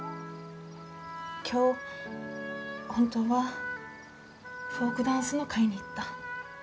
今日本当はフォークダンスの会に行った。